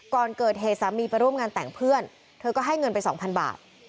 ก่อนเกิดเหตุสามีไปร่วมงานแต่งเพื่อนเธอก็ให้เงินไป๒๐๐บาท